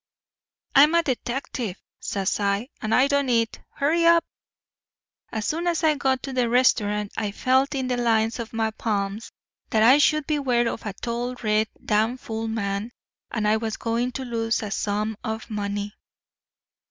"'I'm a detective,' says I, 'and I don't eat. Hurry up!' "As soon as I got to the restaurant I felt in the lines of my palms that I should beware of a tall, red, damfool man, and I was going to lose a sum of money.